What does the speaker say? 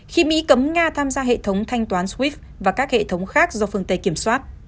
khi mỹ cấm nga tham gia hệ thống thanh toán skwef và các hệ thống khác do phương tây kiểm soát